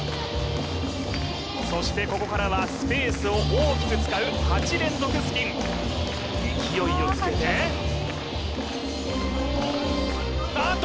そしてここからはスペースを大きく使う８連続スピン勢いをつけてああっと！